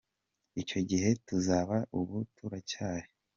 Icyo gihe tuzaba Ubu turacyari.